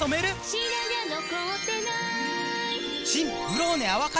「白髪残ってない！」